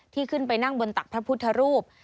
ที่ขึ้นไปนั่งบนตักพระพุทธรูป